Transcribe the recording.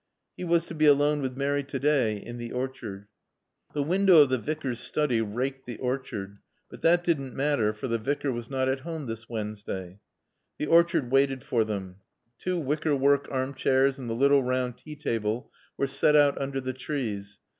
He was to be alone with Mary to day, in the orchard. The window of the Vicar's study raked the orchard. But that didn't matter, for the Vicar was not at home this Wednesday. The orchard waited for them. Two wicker work armchairs and the little round tea table were set out under the trees.